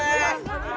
tunggu tunggu ya